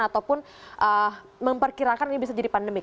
ataupun memperkirakan ini bisa jadi pandemik